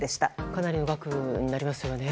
かなりの額になりますよね。